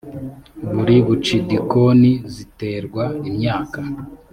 buri bucidikoni zitorerwa imyaka